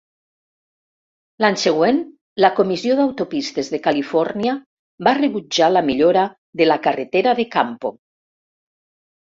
L'any següent, la Comissió d'Autopistes de Califòrnia va rebutjar la millora de la carretera de Campo.